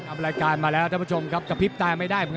รายการมาแล้วท่านผู้ชมครับกระพริบตายไม่ได้